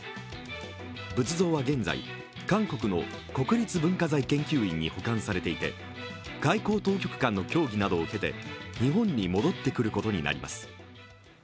仏像は現在、韓国の国立文化財研究院に保管されていて、外交当局間の協議などを経て日本に戻ってくることになります。